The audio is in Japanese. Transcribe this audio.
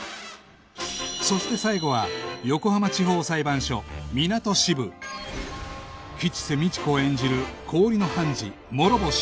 そして最後は横浜地方裁判所みなと支部吉瀬美智子演じる氷の判事諸星